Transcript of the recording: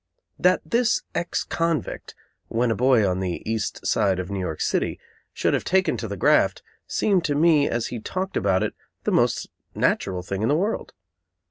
That this ex convict, when a boy on the East Side of New York City, should have taken to the "graft" seemed to me, as he talked about it, the most natural thing in the world.